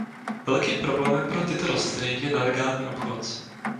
Velkým problémem pro tyto rostliny je nelegální obchod.